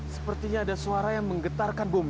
sepertinya ada suara yang menggetarkan bom